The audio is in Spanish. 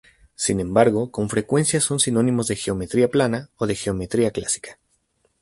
Sin embargo, con frecuencia son sinónimos de geometría plana o de geometría clásica.